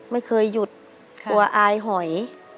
ไม่เคยหยุดกลัวอายหอย